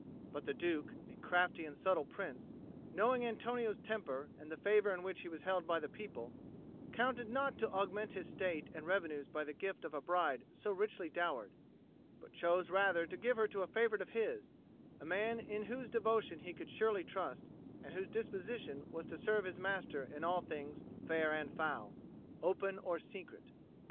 But the Duke, a crafty and subtle prince, knowing Antonio's temper and the favour in which he was held by the people, counted not to augment his state and revenues by the gift of a bride so richly dowered, but chose rather to give her to a favourite of his, a man in whose devotion he could surely trust and whose disposition was to serve his master in all things fair and foul, open or secret.